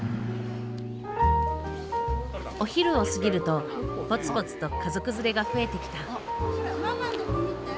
お昼を過ぎるとぽつぽつと家族連れが増えてきた。